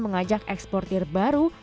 mengajak ekspor tir baru